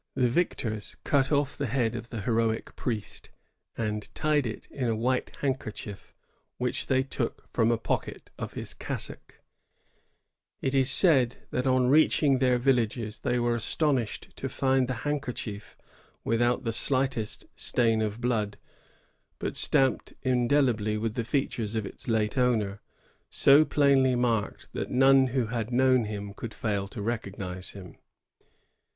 The victors cut ofE the head of the heroic p^riest, and tied it in a white handkerchief which they took from a pocket of his cassock. It is said that on reaching their villages they were astonished 1 DoUier de Casson, Histoire du Montreal, 1667 1668. 112 THE HOLT WARS OP MONTREAL. [1667 81. to find the handkerchief without the slightest stain of blood, but stamped indelibly with the features of its late owner, so plainly marked that none who had known him could fail to recognize them.